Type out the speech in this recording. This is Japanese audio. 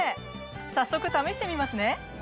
早速試してみますね！